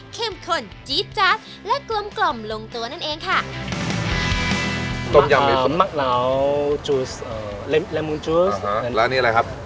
เข็มขนจี๊ดจ๊าดและกลมกล่อมลงตัวนั่นเองค่ะต้มยำอ่ามะลาวจูสอ่าแล้วอันนี้อะไรครับ